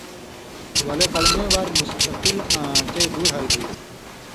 ولے قلمَیں وار مُستقل آں چئ دُور ہاریۡ ہُوئ تھی۔